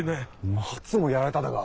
マツもやられただが？